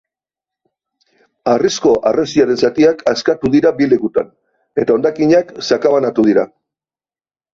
Harrizko harresiaren zatiak askatu dira bi lekutan, eta hondakinak sakabanatu dira.